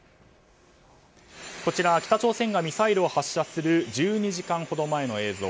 こちら、北朝鮮がミサイルを発射する１２時間ほど前の映像。